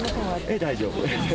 ええ、大丈夫です。